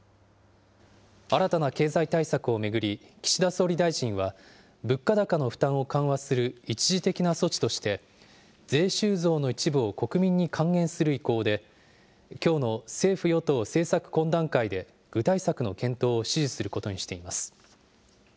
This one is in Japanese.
新たな経済対策を巡り、岸田総理大臣は、物価高の負担を緩和する一時的な措置として、税収増の一部を国民に還元する意向で、きょうの政府与党政策懇談会で具体策の検討を指示することにしています。